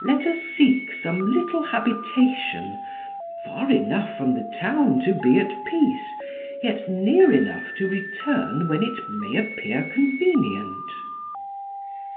Let us seek some little habitation, far enough from the town to be at peace, yet near enough to return when it may appear convenient."